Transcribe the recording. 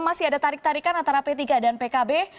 masih ada tarik tarikan antara p tiga dan pkb